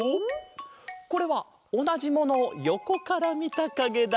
これはおなじものをよこからみたかげだ！